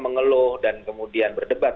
mengeluh dan kemudian berdebat